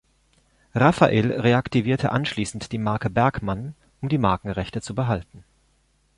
Raphael reaktivierte anschließend die Marke "Bergmann", um die Markenrechte zu behalten.